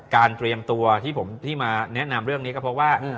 เตรียมตัวที่ผมที่มาแนะนำเรื่องนี้ก็เพราะว่า